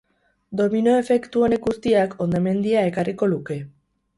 Domino efektu honek guztiak hondamendia ekarriko luke.